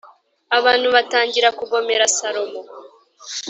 Abantu batangira kugomera Salomo